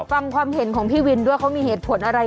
ฟังความเห็นของพี่วินด้วยเขามีเหตุผลอะไร